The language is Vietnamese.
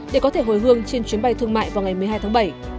để có thể hồi hương trên chuyến bay thương mại vào ngày một mươi hai tháng bảy